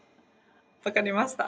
分かりました。